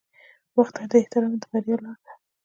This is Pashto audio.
• وخت ته احترام د بریا لاره ده.